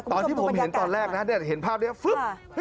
ตอนที่ผมเห็นตอนแรกนะฮะเนี้ยเห็นภาพเนี้ยฟึ๊บเห้ย